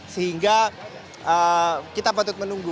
sehingga kita patut menunggu